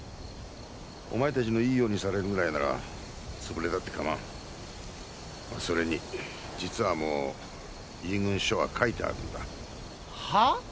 お前たちのいいようにされるぐらいなら潰れたってかまわんそれに実はもう遺言書は書いてあるんはっ？